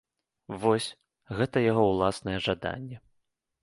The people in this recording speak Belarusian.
Вось, гэта яго ўласнае жаданне.